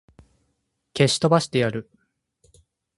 消し飛ばしてやる!